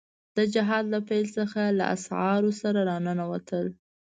د جهاد له پيل څخه له اسعارو سره را ننوتل.